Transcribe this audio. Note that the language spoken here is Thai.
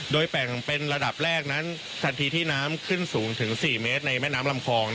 โดยแบ่งเป็นระดับแรกนั้นทันทีที่น้ำขึ้นสูงถึง๔เมตรในแม่น้ำลำคลอง